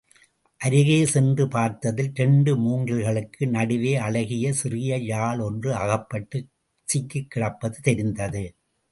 அருகே சென்று பார்த்ததில் இரண்டு மூங்கில்களுக்கு நடுவே அழகிய சிறிய யாழ் ஒன்று அகப்பட்டுச் சிக்கிக்கிடப்பது தெரிந்தது.